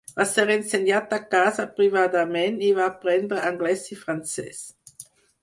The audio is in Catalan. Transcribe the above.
Va ser ensenyat a casa privadament, i va aprendre anglès i francès.